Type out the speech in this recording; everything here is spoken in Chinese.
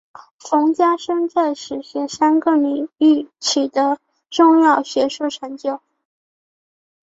冯家升在史学三个领域取得重要学术成就。